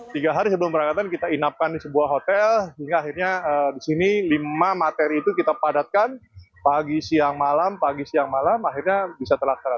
tiga hari sebelum berangkatan kita inapkan di sebuah hotel hingga akhirnya di sini lima materi itu kita padatkan pagi siang malam pagi siang malam akhirnya bisa terlaksana